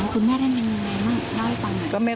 อ๋อคุณแม่ได้ยังไงนะเล่าให้ฟัง